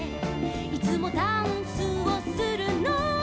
「いつもダンスをするのは」